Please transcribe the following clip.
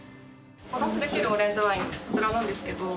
お出しできるオレンジワインこちらなんですけど。